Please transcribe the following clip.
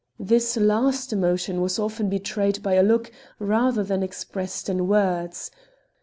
This last emotion was often betrayed by a look rather than expressed in words.